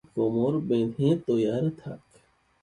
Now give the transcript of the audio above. তুই কোমর বেঁধে তৈয়ার থাক।